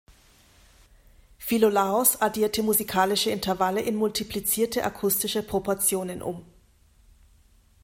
Philolaos addierte musikalische Intervalle in multiplizierte akustische Proportionen um.